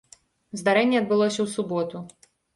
Здарэнне адбылося ў суботу.